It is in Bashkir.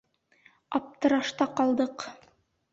Аптырашта ҡалдыҡ.